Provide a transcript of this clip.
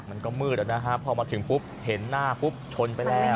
มันก็มืดนะฮะพอมาถึงปุ๊บเห็นหน้าปุ๊บชนไปแล้ว